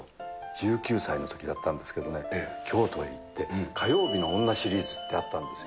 １９歳のときだったんですけどね、京都へ行って、火曜日の女シリーズってあったんですよ。